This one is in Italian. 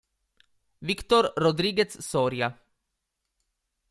Víctor Rodríguez Soria